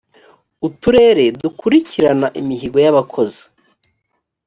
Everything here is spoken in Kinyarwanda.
uturere dukurikirana imihigo y’ abakozi .